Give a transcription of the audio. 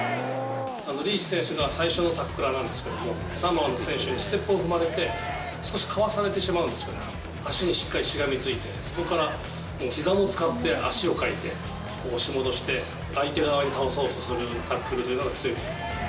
リーチ選手が最初のタックラーなんですけども、サモアの選手にステップを踏まれて、少しかわされてしまうんですね、足にしっかりしがみついて、そこからひざも使って、足をかえて、押し戻して、相手側に倒そうとするタックルというのが強い。